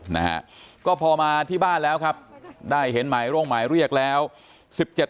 ไม่มีไม่มีไม่มีไม่มีไม่มีไม่มีไม่มี